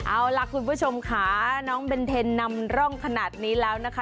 เอาล่ะคุณผู้ชมค่ะน้องเบนเทนนำร่องขนาดนี้แล้วนะคะ